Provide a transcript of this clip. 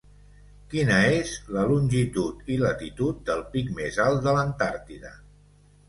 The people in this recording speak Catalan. Quina és la longitud i latitud del pic més alt de l'Antàrtida?